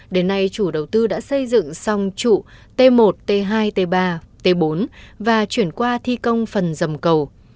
đến nay chủ đầu tư đã xây dựng xong trụ t một t hai t ba t bốn và chuyển qua thi công phần dầm cầu